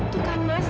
tuh kan mas